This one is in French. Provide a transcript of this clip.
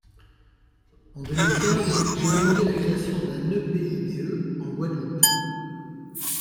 En deux mille quinze, j’ai demandé la création d’un EPIDE en Guadeloupe.